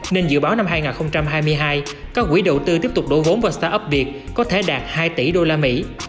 nên dự báo năm hai nghìn hai mươi hai các quỹ đầu tư tiếp tục đổ vốn vào start up việt có thể đạt hai tỷ usd